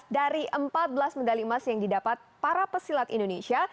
dari empat belas medali emas yang didapat para pesilat indonesia